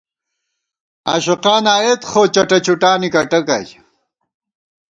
عاشقان آیېت خو چٹہ چُٹانی کٹَک آئی